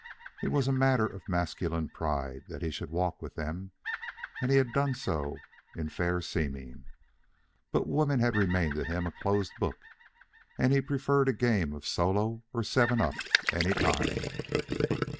It was a matter of masculine pride that he should walk with them, and he had done so in fair seeming; but women had remained to him a closed book, and he preferred a game of solo or seven up any time.